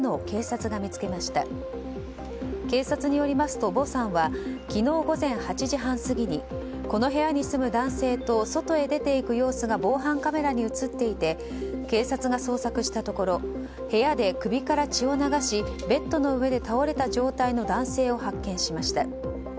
警察によりますとヴォさんは昨日午前８時半過ぎにこの部屋に住む男性と外へ出ていく様子が防犯カメラに映っていて警察が捜索したところ部屋で首から血を流しベッドの上で倒れた状態の男性を発見しました。